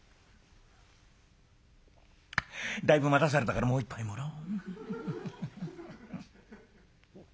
「だいぶ待たされたからもう一杯もらおう」。